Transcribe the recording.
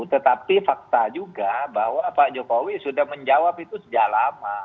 tetapi fakta juga bahwa pak jokowi sudah menjawab itu sejak lama